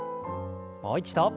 もう一度。